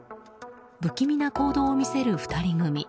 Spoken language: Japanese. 不気味な行動を見せる２人組。